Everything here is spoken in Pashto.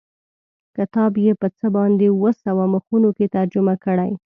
کتاب یې په څه باندې اووه سوه مخونو کې ترجمه کړی.